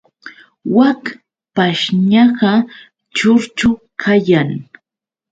Wak pashñaqa churchu kayan.